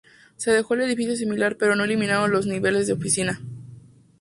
Se dejó el edificio similar pero se eliminaron los niveles de oficina.